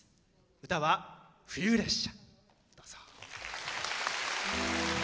歌は「冬列車」。